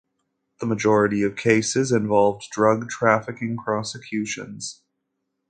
The majority of cases involved drug trafficking prosecutions.